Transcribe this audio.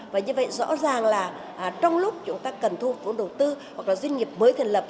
và như vậy rõ ràng là trong lúc chúng ta cần thu vốn đầu tư hoặc là doanh nghiệp mới thành lập